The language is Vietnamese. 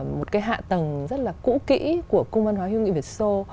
một cái hạ tầng rất là cũ kĩ của cung văn hóa hữu nghị việt xô